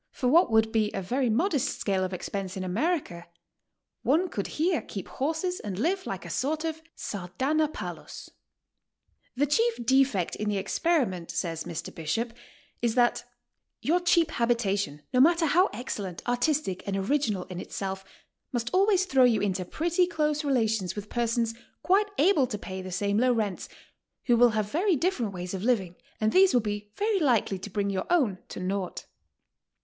For w^hat would be a very mod est scale of expense in America, one could here keep horses and live like a sort of Sardanapalus." The chief defect in the experiment, says Mr. Bishop, is that "your cheap habitation, no matter how excellent, artistic, and original in itself, must always thrjow you into pretty close relations with persons quite able to pay the same low rents, « who will have very different ways of living, and these will be very likely to bring your owm to naught."